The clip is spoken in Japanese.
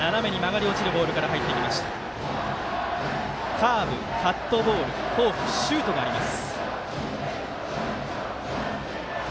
カーブ、カットボール、フォークシュートがあります。